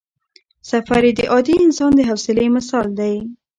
سفر یې د عادي انسان د حوصلې مثال دی.